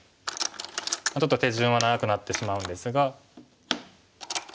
ちょっと手順は長くなってしまうんですが。